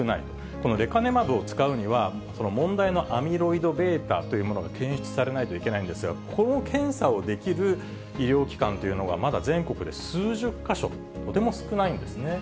このレカネマブを使うには、問題のアミロイドβというものが検出されないといけないんですが、この検査をできる医療機関というのがまだ全国で数十か所、とても少ないんですね。